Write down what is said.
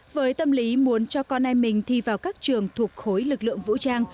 với tâm lý muốn cho con em mình thi vào các trường thuộc khối lực lượng vũ trang